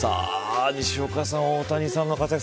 西岡さん、大谷さんの活躍